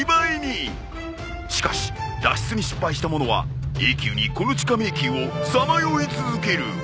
しかし脱出に失敗した者は永久にこの地下迷宮をさまよい続ける。